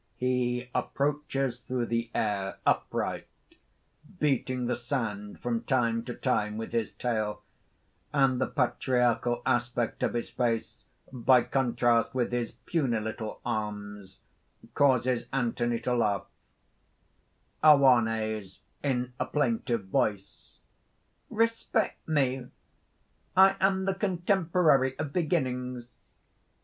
He approaches through the air, upright, beating the sand from time to time with his tail; and the patriarchal aspect of his face by contrast with his puny little arms, causes Anthony to laugh._) OANNES (in a plaintive voice): "Respect me! I am the contemporary of beginnings.